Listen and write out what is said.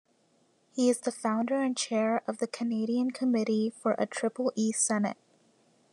He is the founder and chair of the Canadian Committee for a Triple-E Senate.